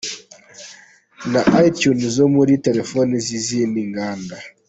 na iTunes zo muri telefoni z’izindi nganda